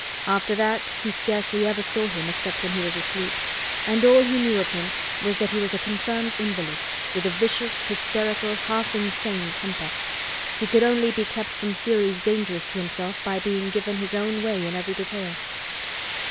After that he scarcely ever saw him except when he was asleep, and all he knew of him was that he was a confirmed invalid, with a vicious, hysterical, half insane temper. He could only be kept from furies dangerous to himself by being given his own way in every detail.